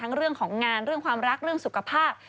เรื่องของงานเรื่องความรักเรื่องสุขภาพ